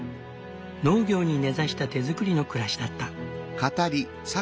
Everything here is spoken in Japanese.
農業に根ざした手作りの暮らしだった。